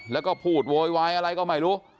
แล้วก็พูดโวยวายอะไรก็ไม่รู้